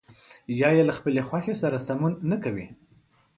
یا يې له خپلې خوښې سره سمون نه کوي.